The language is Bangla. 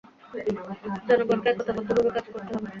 জনগণকে একতাবদ্ধভাবে কাজ করতে হবে।